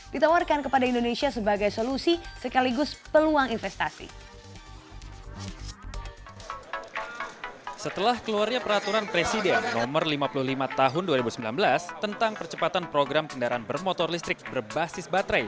ditawarkan kepada indonesia sebagai solusi sekaligus peluang investasi